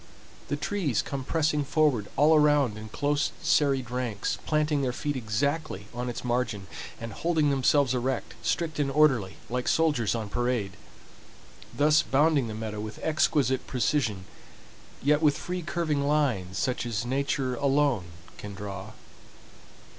The trees come pressing forward all around in close serried ranks, planting their feet exactly on its margin, and holding themselves erect, strict and orderly like soldiers on parade; thus bounding the meadow with exquisite precision, yet with free curving lines such as Nature alone can draw.